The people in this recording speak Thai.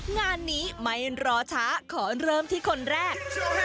งานนี้ไม่รอช้าขอเริ่มที่คนแรก